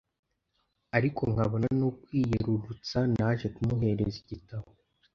ariko nkabona nukwiyerurutsa naje kumuhereza igitabo